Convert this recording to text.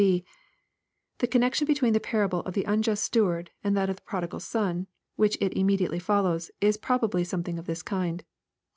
(B.) The connection between the parable of the unjust steward, and that of the prodigal son, which it immediately follows, is probably something of this kind.